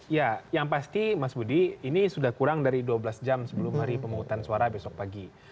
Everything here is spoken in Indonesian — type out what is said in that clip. ya yang pasti mas budi ini sudah kurang dari dua belas jam sebelum hari pemungutan suara besok pagi